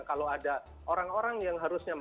kalau ada orang orang yang harusnya